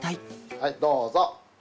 はいどうぞ。